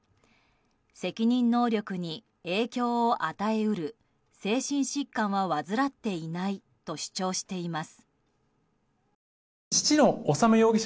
責任能力に影響を与え得る精神疾患は患っていないと主張しています。